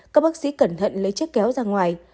các bác sĩ cẩn thận lấy chiếc kéo ra ngoài